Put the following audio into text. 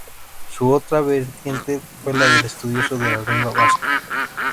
Su otra vertiente fue la del estudioso de la lengua vasca.